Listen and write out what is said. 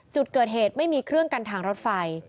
จุดเกิดเหตุไม่มีเครื่องกันทางรถไฟ